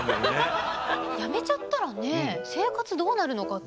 辞めちゃったらね生活どうなるのかって。